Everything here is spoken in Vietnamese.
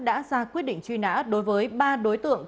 đã ra quyết định truy nã đối với ba đối tượng